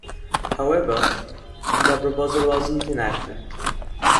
However, the proposal was not enacted.